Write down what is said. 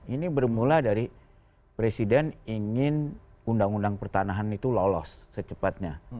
ini bermula dari presiden ingin undang undang pertanahan itu lolos secepatnya